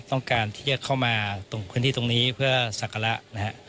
ต้องการที่จะเข้ามาตรงพื้นที่ตรงนี้เพื่อศักระนะฮะ